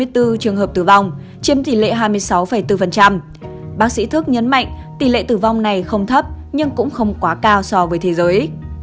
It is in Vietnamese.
hai mươi bốn trường hợp tử vong chiếm tỷ lệ hai mươi sáu bốn bác sĩ thức nhấn mạnh tỷ lệ tử vong này không thấp nhưng cũng không quá cao so với thế giới